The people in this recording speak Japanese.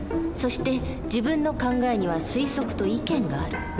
そして自分の考えには推測と意見がある。